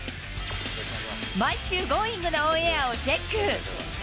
毎週、Ｇｏｉｎｇ！のオンエアをチェック。